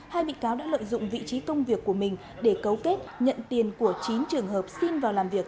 hai bị cáo đã lợi dụng vị trí công việc của mình để cấu kết nhận tiền của chín trường hợp xin vào làm việc